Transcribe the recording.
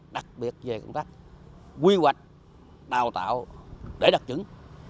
đặc biệt về công tác quy hoạch đào tạo để đặc chứng